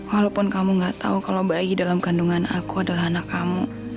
walaupun kamu gak tahu kalau bayi dalam kandungan aku adalah anak kamu